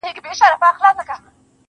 نه؛ مزل سخت نه و، آسانه و له هري چاري.